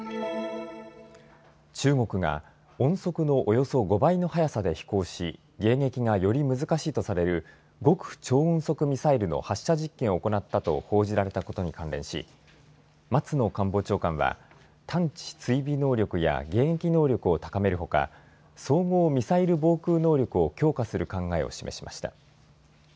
中国が音速のおよそ５倍の速さで飛行し、迎撃がより難しいとされる極超音速ミサイルの発射実験を行ったと報じられたことに関連し松野官房長官は探知・追尾能力や迎撃能力を高めるほか総合ミサイル防空能力を強化する考えを示しました。